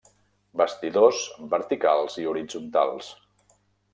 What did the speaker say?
Bastidors, verticals i horitzontals.